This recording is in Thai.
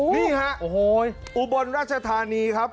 นี่ฮะอุบลราชธานีครับ